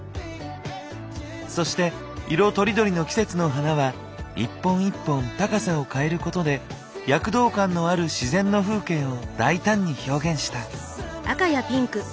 そして色とりどりの季節の花は１本１本高さを変えることで躍動感のある自然の風景を大胆に表現した。